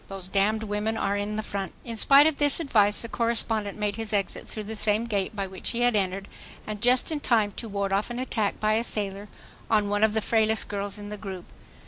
Those damned women are in the front." In spite of this advice the correspondent made his exit through the same gate by which he had entered, and just in time to ward off an attack by a sailor on one of the frailest girls in the group.